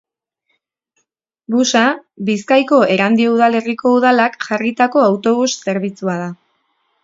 Busa Bizkaiko Erandio udalerriko udalak jarritako autobus zerbitzua da.